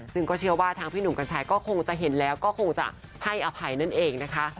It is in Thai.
ซึ่งก็เชื่อว่าทางพี่หนุ่มกัญชัยก็คงจะเห็นแล้วก็คงจะให้อภัยนั่นเองนะคะ